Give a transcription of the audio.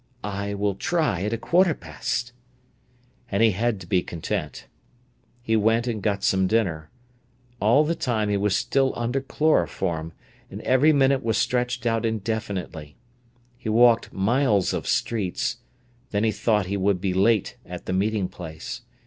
"I will try at a quarter past." And he had to be content. He went and got some dinner. All the time he was still under chloroform, and every minute was stretched out indefinitely. He walked miles of streets. Then he thought he would be late at the meeting place.